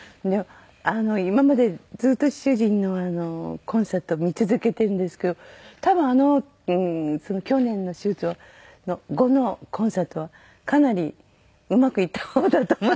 今までずっと主人のコンサートを見続けてるんですけど多分あの去年の手術後のコンサートはかなりうまくいった方だと思って。